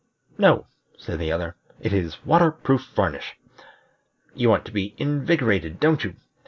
"No," said the other, "it is water proof varnish. You want to be invigorated, don't you?